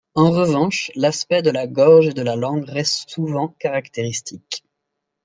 En revanche l'aspect de la gorge et de la langue reste souvent caractéristique.